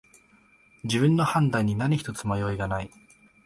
自分の判断に何ひとつ迷いがない